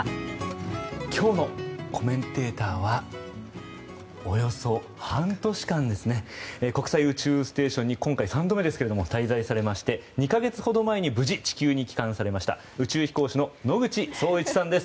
今日のコメンテーターはおよそ半年間国際宇宙ステーションに今回３度目ですけれども滞在されまして２か月ほど前に無事、地球に帰還されました宇宙飛行士の野口聡一さんです。